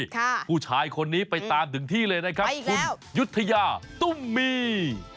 ผู้ชายคนนี้ไปตามถึงที่เลยนะครับคุณยุธยาตุ้มมี